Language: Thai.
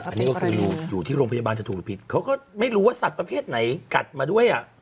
อันนี้ก็คืออยู่ที่โรงพยาบาลจะถูกหรือผิดเขาก็ไม่รู้ว่าสัตว์ประเภทไหนกัดมาด้วยอ่ะ